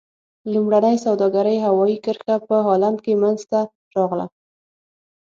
لومړنۍ سوداګرۍ هوایي کرښه په هالند کې منځته راغله.